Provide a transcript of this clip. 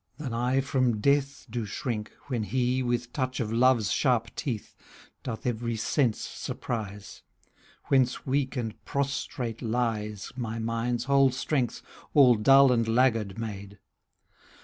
Than I from death do shrink, when he, with touch Of Love's sharp teeth, doth every sense surprise: Whence weak and prostrate lies 87 CANZONIERE My mind's whole strength, all dull and laggard made.